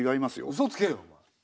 うそつけよお前。